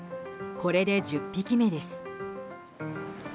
これで１０匹目です。